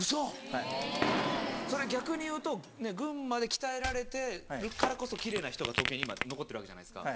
・へぇ・逆に言うと群馬で鍛えられてるからこそ奇麗な人が東京に今残ってるわけじゃないですか。